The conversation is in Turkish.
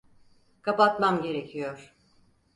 Kapatmam gerekiyor.